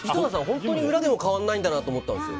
本当に裏でも変わらないんだなと思ったんですよ。